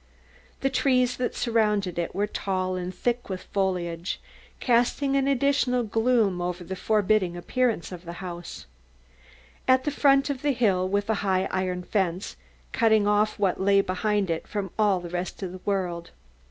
The trees that surrounded it were tall and thick foliaged, casting an added gloom over the forbidding appearance of the house. At the foot of the hill was a high iron fence, cutting off what lay behind it from all the rest of the world.